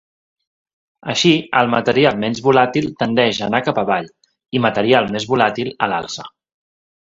Així, el material menys volàtil tendeix a anar cap avall, i material més volàtil a l'alça.